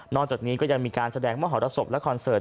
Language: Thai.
จากนี้ก็ยังมีการแสดงมหรสบและคอนเสิร์ต